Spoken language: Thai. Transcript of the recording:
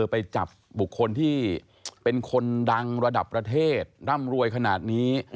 ไปจับบุคคลที่เป็นคนดังระดับประเทศร่ำรวยขนาดนี้